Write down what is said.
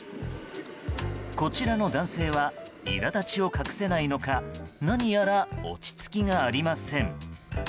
こちらの男性はいら立ちを隠せないのか何やら落ち着きがありません。